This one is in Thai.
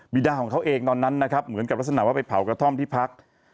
ดาของเขาเองตอนนั้นนะครับเหมือนกับลักษณะว่าไปเผากระท่อมที่พัก